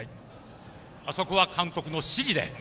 あそこは監督の指示でと。